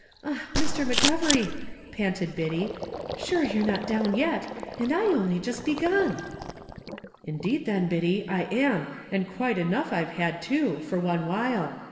"Ah! Mr. McGovery," panted Biddy, "shure you're not down yet, and I only jist begun!" "Indeed, then, Biddy, I am, and quite enough I've had, too, for one while.